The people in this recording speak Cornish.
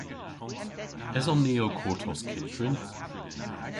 Eson ni ow kortos kyttrin?